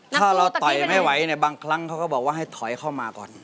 ถ้าเราต่อยไม่ไหวเนี่ยบางครั้งเขาก็บอกว่าให้ถอยเข้ามาก่อน